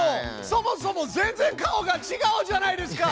そもそも全然顔がちがうじゃないですか！